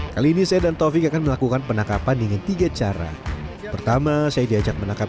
kali ini saya dan taufik akan melakukan penangkapan dengan tiga cara pertama saya diajak menangkap